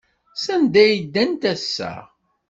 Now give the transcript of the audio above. Sanda ay ddant ass-a?